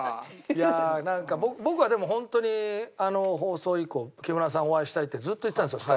いやあなんか僕はでもホントにあの放送以降木村さんにお会いしたいってずっと言ってたんですよ